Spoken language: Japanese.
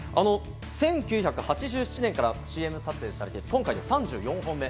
１９８７年からＣＭ撮影されていて、今回で３４本目。